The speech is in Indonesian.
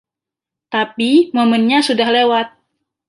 Tapi momennya sudah lewat.